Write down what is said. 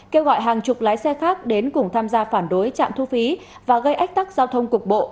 kêu gọi hàng chục lái xe khác đến cùng tham gia phản đối trạm thu phí và gây ách tắc giao thông cục bộ